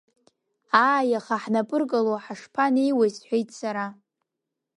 Ааи, аха ҳнапы ыркало ҳашԥанеиуеи, – сҳәеит сара.